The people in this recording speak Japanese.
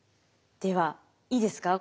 ではいいですか？